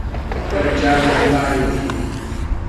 پنجاب رمباړې وهي.